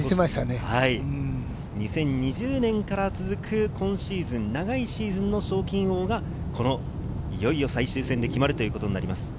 ２０２０年から続く今シーズン、長いシーズンの賞金王が、このいよいよ最終戦で決まるということになります。